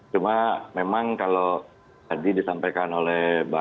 cuma memang kalau tadi disampaikan oleh bang arya bahwa